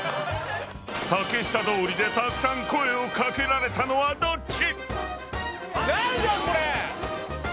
竹下通りでたくさん声をかけられたのはどっち？